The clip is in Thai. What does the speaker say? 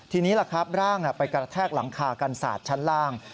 ทีนี้ล่ะครับร่างไปกระแทกหลังคากันศาสตร์ชั้นล่าง